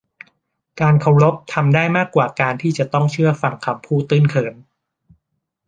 การเคารพทำได้มากกว่าการที่จะต้องเชื่อฟังคำพูดตื้นเขิน